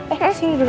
eh sini duduk